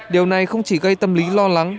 điều này không chỉ gây tâm lý lo lắng